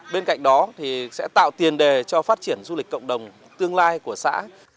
bên cạnh đó sẽ tạo tiền đề cho phát triển du lịch cộng đồng tương lai của xã